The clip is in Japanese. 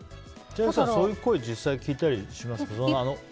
千秋さん、そういう声を実際に聞いたりしますか？